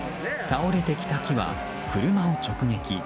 倒れてきた木は、車を直撃。